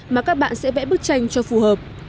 mà các bạn sẽ vẽ bức tranh cho phù hợp